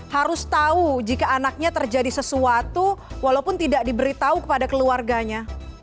harus tahu jika anaknya terjadi sesuatu walaupun tidak diberitahu kepada keluarganya